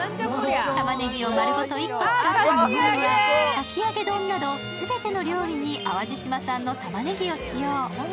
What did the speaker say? たまねぎを丸ごと１個使った煮物やかき揚げ丼など全ての料理に淡路島産のたまねぎを使用。